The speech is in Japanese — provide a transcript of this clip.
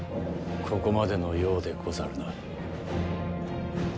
ここまでのようでござるな。